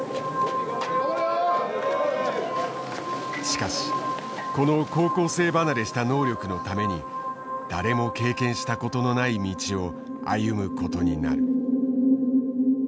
しかしこの高校生離れした能力のために誰も経験したことのない道を歩むことになる。